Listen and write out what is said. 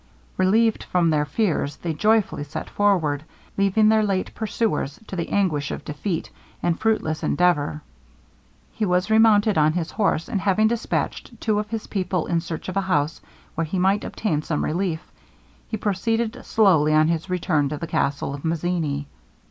Relieved from their fears, they joyfully set forward, leaving their late pursuer to the anguish of defeat, and fruitless endeavour. He was remounted on his horse; and having dispatched two of his people in search of a house where he might obtain some relief, he proceeded slowly on his return to the castle of Mazzini.